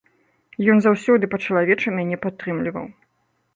Ён заўсёды па-чалавечы мяне падтрымліваў.